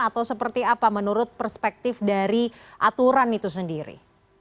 atau seperti apa menurut perspektif dari aturan itu sendiri